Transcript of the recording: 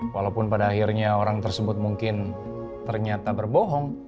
walaupun pada akhirnya orang tersebut mungkin ternyata berbohong